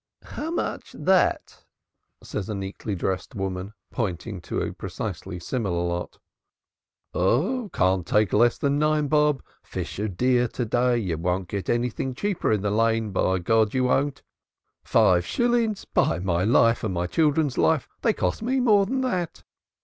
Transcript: "How much that?" says a neatly dressed woman, pointing to a precisely similar lot. "Can't take less than nine bob. Fish are dear to day. You won't get anything cheaper in the Lane, by G you won't. Five shillings! By my life and by my children's life, they cost me more than that.